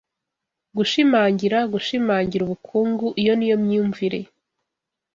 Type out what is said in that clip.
Gushimangira gushimangira ubukungu iyo niyo myumvire